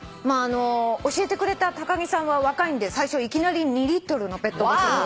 教えてくれた高木さんは若いんで最初いきなり２リットルのペットボトルを。